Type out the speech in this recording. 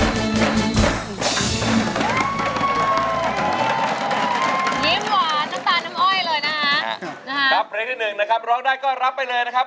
สำหรับเลขที่หนึ่งนะครับร้องได้ก็รับไปเลยนะครับ